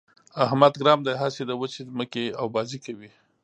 احمد ګرم دی؛ هسې د وچې ځمکې اوبازي کوي.